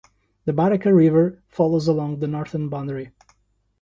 The Barakar River flows along the northern boundary.